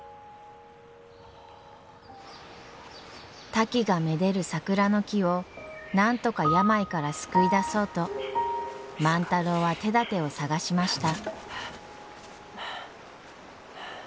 タキがめでる桜の木をなんとか病から救い出そうと万太郎は手だてを探しました。